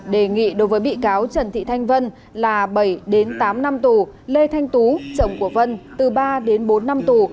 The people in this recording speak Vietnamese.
đề nghị đối với bị cáo trần thị thanh vân là bảy đến tám năm tù lê thanh tú chồng của vân từ ba đến bốn năm tù